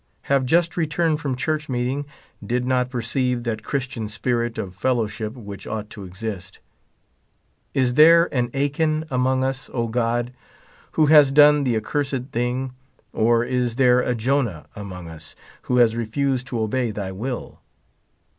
Have just returned from church meeting. Did not perceive that Christian spirit of fellowship which ought to exist. Is there an Achan among us, O God, who has done the accursed thing ; or is there a Jonah among us who has refused to obey thy will